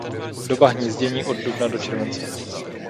Doba hnízdění od dubna do července.